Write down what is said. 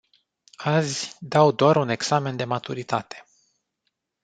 Azi dau doar un examen de maturitate.